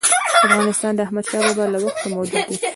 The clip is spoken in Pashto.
افغانستان د احمدشاه بابا له وخته موجود دی.